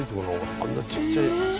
あんなちっちゃい。